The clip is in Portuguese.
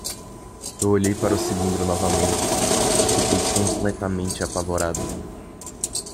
Eu olhei para o cilindro novamente e fiquei completamente apavorado.